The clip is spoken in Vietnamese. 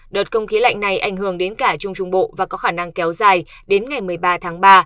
đợt không khí lạnh này ảnh hưởng đến cả trung trung bộ và có khả năng kéo dài đến ngày một mươi ba tháng ba